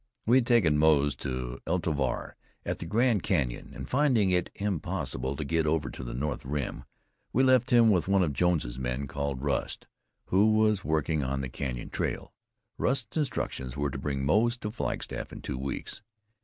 We had taken Moze to the El Tovar at the Grand Canyon, and finding it impossible to get over to the north rim, we left him with one of Jones's men, called Rust, who was working on the Canyon trail. Rust's instructions were to bring Moze to Flagstaff in two weeks.